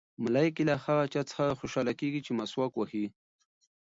ملایکې له هغه چا څخه خوشحاله کېږي چې مسواک وهي.